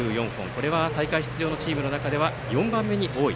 これは大会出場のチームの中では４番目に多い。